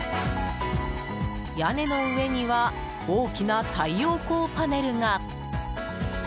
屋根の上には大きな太陽光パネルが。